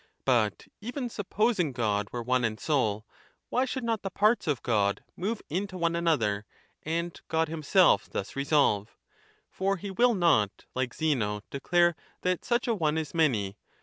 But even supposing God were one and sole, why should not the parts of God move into one another and God himself thus revolve ? For he will 5 not, like Zeno, declare that such a One is many.